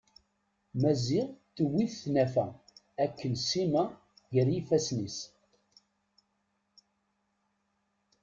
Maziɣ tewwi-t tnafa akken Sima gar yifasen-is.